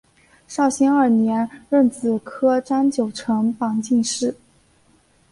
绍兴二年壬子科张九成榜进士。